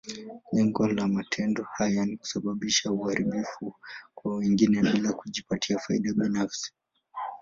Lengo la matendo haya ni kusababisha uharibifu kwa wengine, bila kujipatia faida binafsi.